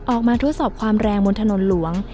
ออกมาทดสอบความแรงบนถนนโล่ง